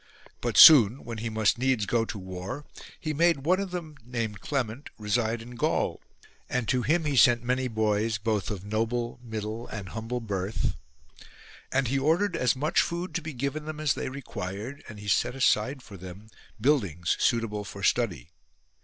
But soon, when he must needs go to war, he made one of them named Clement reside in Gaul, and to him he sent many boys both of noble, middle and humble birth, and he ordered as much food to be given them as they required, and he set aside for them buildings suitable for study.